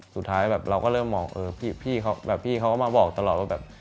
สุดท้ายแบบเราก็เริ่มมองแบบพี่เขาก็มาบอกตลอดว่าแบบ